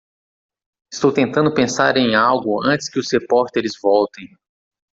Estou tentando pensar em algo antes que os repórteres voltem.